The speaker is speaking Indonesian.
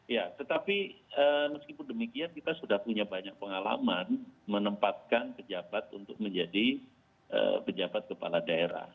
ya tetapi meskipun demikian kita sudah punya banyak pengalaman menempatkan pejabat untuk menjadi pejabat kepala daerah